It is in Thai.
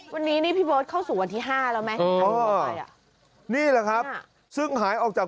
วันนี้นี่พี่เบิร์ตเข้าสู่วันที่๕แล้วไหมนี่แหละครับซึ่งหายออกจาก